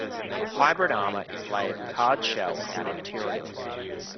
Hybrid armor is layered with hard shell outer materials.